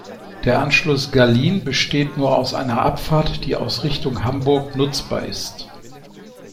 Der Anschluss "Gallin" besteht nur aus einer Abfahrt, die aus Richtung Hamburg nutzbar ist.